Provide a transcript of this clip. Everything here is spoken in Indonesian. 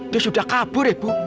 dia sudah kabur ya bu